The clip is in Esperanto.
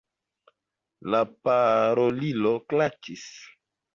La parolilo klakis.